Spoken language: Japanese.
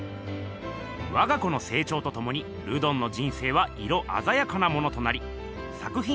わが子のせいちょうとともにルドンの人生は色あざやかなものとなり作ひん